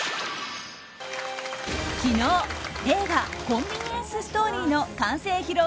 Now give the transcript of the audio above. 昨日、映画「コンビニエンス・ストーリー」の完成披露